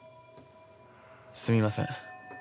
すみません。